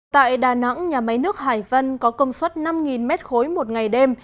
tại đà nẵng nhà máy nước hải vân có công suất năm mét khối một ngày đêm